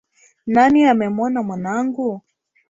.Nani amemwona mwanangu?